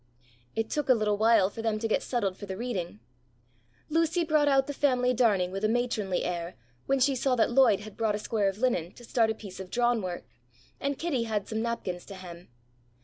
It took a little while for them to get settled for the reading. Lucy brought out the family darning with a matronly air, when she saw that Lloyd had brought a square of linen to start a piece of drawn work, and Kitty had some napkins to hem.